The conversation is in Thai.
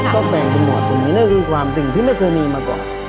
ต้องแบ่งเป็นหมวดแบบนี้นั่นคือความจริงที่เมื่อเคยมีมาก่อน